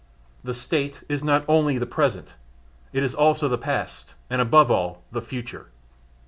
The State is not only the present, but it is also the past and above all the future.